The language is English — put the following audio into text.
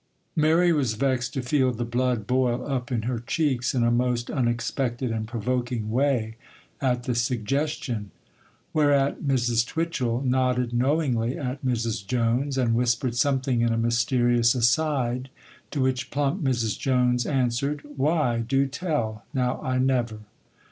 Mary was vexed to feel the blood boil up in her cheeks in a most unexpected and provoking way at the suggestion; whereat Mrs. Twitchel nodded knowingly at Mrs. Jones, and whispered something in a mysterious aside, to which plump Mrs. Jones answered,—'Why, do tell! now I never!